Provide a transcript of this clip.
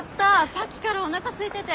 さっきからおなかすいてて。